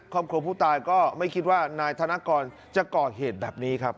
ครอบครัวผู้ตายก็ไม่คิดว่านายธนกรจะก่อเหตุแบบนี้ครับ